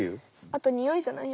あとにおいじゃない？